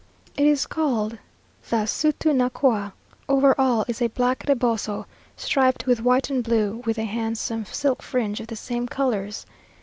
It is called the sutunacua over all is a black reboso, striped with white and blue, with a handsome silk fringe of the same colours.